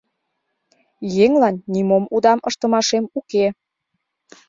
Еҥлан нимом удам ыштымашем уке.